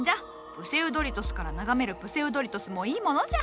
プセウドリトスから眺めるプセウドリトスもいいものじゃ。